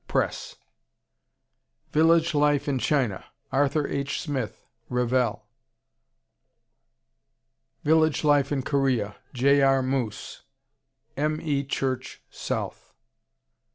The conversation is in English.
Press. Village Life in China, Arthur H. Smith Revell. Village Life in Korea, J. R. Moose M. E. Church, South.